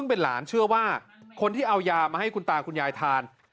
ดูมันทำ